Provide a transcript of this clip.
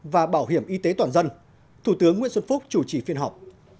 và bảo hiểm y tế toàn dân thủ tướng nguyễn xuân phúc chủ trì phiên họp